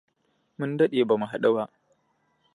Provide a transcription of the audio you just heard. Mun daɗe bamu haɗu ba.